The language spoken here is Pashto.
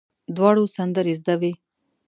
دواړو سندرې زده وې.